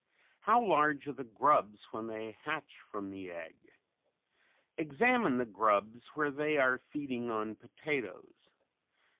How large are the grubs when they hatch from the egg? Examine the grubs where they are feeding on potatoes.